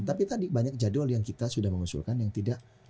tapi tadi banyak jadwal yang kita sudah mengusulkan yang tidak